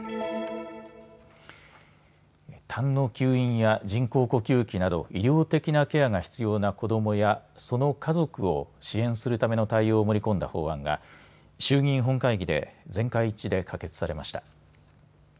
たんの吸引や人工呼吸器など医療的なケアが必要な子どもや、その家族を支援するための対応を盛り込んだ法案が衆議院本会議で全会一致で可決されました。